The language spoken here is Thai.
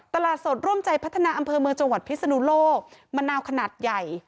ตลาดสดร่วมใจพัฒนาอำเภอเมืองจังหวัดพิศนุโลกมะนาวขนาดใหญ่